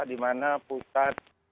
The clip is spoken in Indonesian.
di mana pusat